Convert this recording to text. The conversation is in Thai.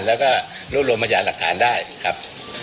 แล้วก็รวบรวมพยานหลักฐานได้ครับ